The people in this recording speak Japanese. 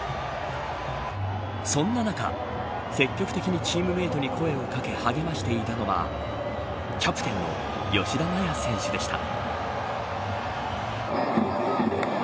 そんな中積極的にチームメートに声を掛け励ましていたのはキャプテンの吉田麻也選手でした。